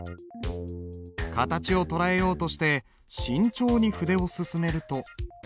形を捉えようとして慎重に筆を進めると。